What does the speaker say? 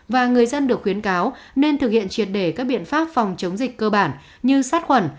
và người dân được khuyến cáo nên thực hiện triệt để các biện pháp phòng chống dịch cơ bản như sát khuẩn